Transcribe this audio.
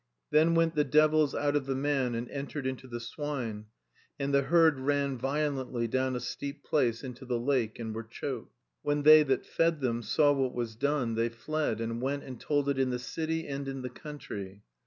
"Then went the devils out of the man and entered into the swine; and the herd ran violently down a steep place into the lake and were choked. "When they that fed them saw what was done, they fled, and went and told it in the city and in the country.